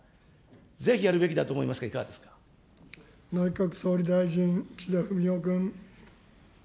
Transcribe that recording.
ぜひやるべきだと思いますが、い内閣総理大臣、岸田文雄君。